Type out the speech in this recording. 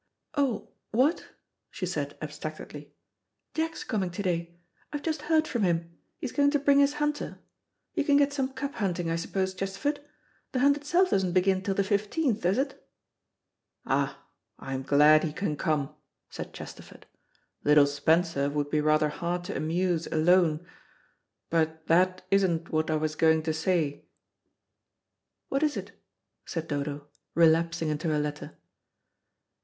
"Oh, what?" she said abstractedly. "Jack's coming to day; I've just heard from him. He's going to bring his hunter. You can get some cub hunting, I suppose, Chesterford? The hunt itself doesn't begin till the 15th, does it?" "Ah, I'm glad he can come," said Chesterford. "Little Spencer would be rather hard to amuse alone. But that isn't what I was going to say." "What is it?" said Dodo, relapsing into her letter.